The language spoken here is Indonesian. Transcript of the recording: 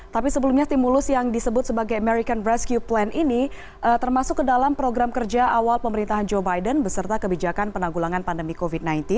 tapi sebelumnya stimulus yang disebut sebagai american rescue plan ini termasuk ke dalam program kerja awal pemerintahan joe biden beserta kebijakan penanggulangan pandemi covid sembilan belas